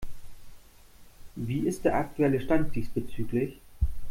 Wie ist der aktuelle Stand diesbezüglich?